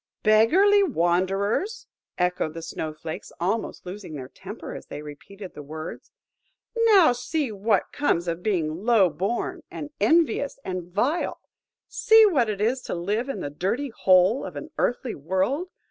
"Beggarly wanderers!" echoed the Snow flakes, almost losing their temper as they repeated the words: "now see what comes of being low born, and envious, and vile. See what it is to live in the dirty hole of an earthly world!